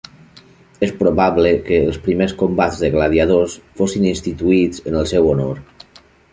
És probable que els primers combats de gladiadors fossin instituïts en el seu honor.